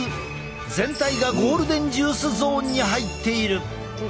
全体がゴールデンジュースゾーンに入っている。